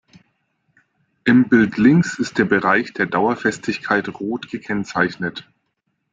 Im Bild links ist der Bereich der Dauerfestigkeit rot gekennzeichnet.